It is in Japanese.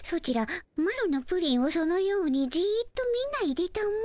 マロのプリンをそのようにじっと見ないでたも。